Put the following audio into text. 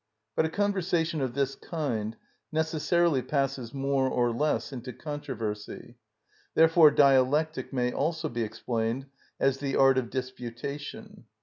But a conversation of this kind necessarily passes more or less into controversy; therefore dialectic may also be explained as the art of disputation.